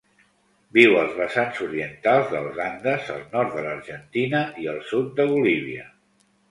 Viu als vessants orientals dels Andes al nord de l'Argentina i el sud de Bolívia.